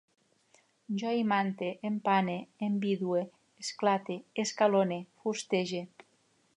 Jo imante, empane, envidue, esclate, escalone, fustege